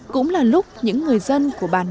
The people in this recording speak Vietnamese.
cũng là lúc những người dân của bàn nà bó một